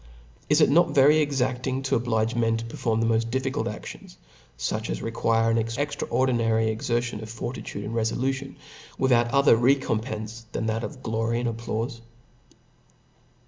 Is it not a very great point, to oblige mea to perform the moft difficult anions, fuch as require ap extraordinary eKertion of fortitude and refoiu tion, without any other recompence, than that glory and applaufe